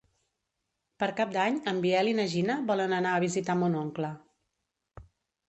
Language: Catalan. Per Cap d'Any en Biel i na Gina volen anar a visitar mon oncle.